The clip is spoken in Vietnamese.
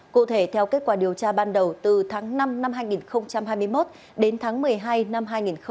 cụ thể theo kết quả điều tra ban đầu từ tháng năm năm hai nghìn hai mươi một đến tháng một mươi hai năm hai nghìn hai mươi ba